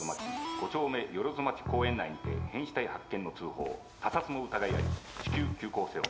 ５丁目万町公園内にて変死体発見の通報他殺の疑いあり至急急行せよ。